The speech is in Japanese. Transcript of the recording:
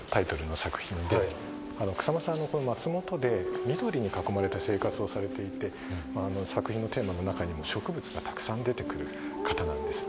草間さんは松本で緑に囲まれた生活をされていて作品のテーマの中にも植物がたくさん出てくる方なんです。